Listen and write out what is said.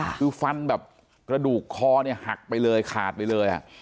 คือฟันแบบกระดูกคอเนี่ยหักไปเลยขาดไปเลย